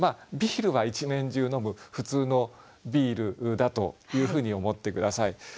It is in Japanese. ビールは一年中飲む普通のビールだというふうに思って下さい。